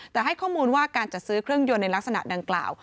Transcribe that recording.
แต่ให้ข้อมูลว่าการจัดซื้อเครื่องยนต์ในลักษณะดังกล่าว